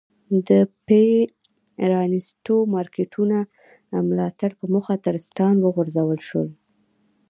د پ رانیستو مارکېټونو ملاتړ په موخه ټرستان وغورځول شول.